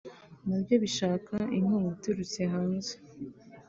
na byo bishaka inkunga iturutse hanze